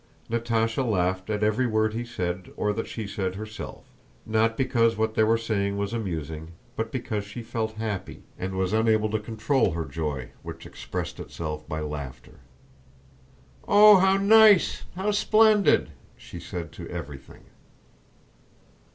Natásha laughed at every word he said or that she said herself, not because what they were saying was amusing, but because she felt happy and was unable to control her joy which expressed itself by laughter. "Oh, how nice, how splendid!" she said to everything.